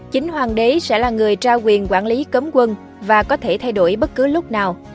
chính hoàng đế sẽ là người trao quyền quản lý cấm quân và có thể thay đổi bất cứ lúc nào